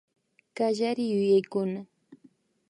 Kallariyuyaykuna